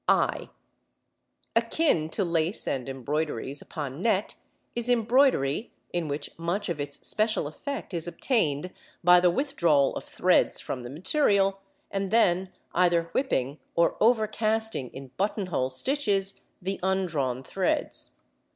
(i) Akin to lace and embroideries upon net is embroidery in which much of its special effect is obtained by the withdrawal of threads from the material, and then either whipping or overcasting in button hole stitches the undrawn threads.